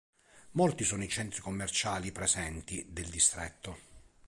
Molti sono i centri commerciali presenti del distretto.